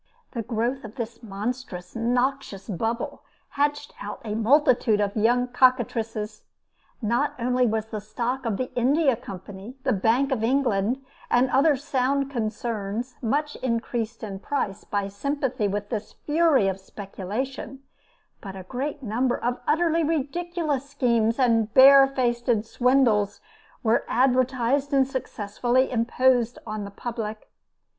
The growth of this monstrous, noxious bubble hatched out a multitude of young cockatrices. Not only was the stock of the India Company, the Bank of England, and other sound concerns, much increased in price by sympathy with this fury of speculation, but a great number of utterly ridiculous schemes and barefaced swindles were advertised and successfully imposed on the public.